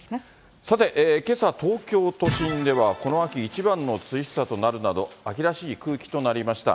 けさ、東京都心ではこの秋一番の涼しさとなるなど、秋らしい空気となりました。